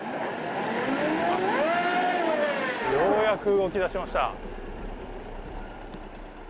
ようやく動き出しました。